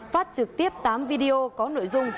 phát trực tiếp tám video có nội dung